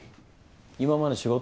今まで仕事？